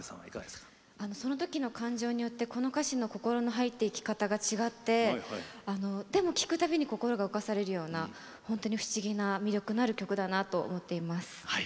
そのときの感情によってこの歌詞の心の入っていき方違ってでも、聴くたびに心が動かされるような本当に不思議な魅力のある曲だなと思います。